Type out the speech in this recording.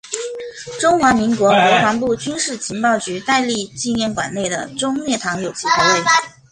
中华民国国防部军事情报局戴笠纪念馆内的忠烈堂有其牌位。